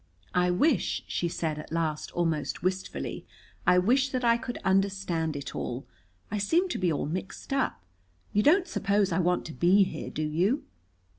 "I wish," she said at last almost wistfully "I wish that I could understand it all. I seem to be all mixed up. You don't suppose I want to be here, do you?"